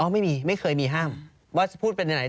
ไม่มีไม่เคยมีห้ามว่าจะพูดเป็นไหน